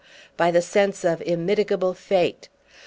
by the sense of immitigable fate.